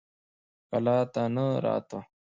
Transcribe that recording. کلا ته نه راته.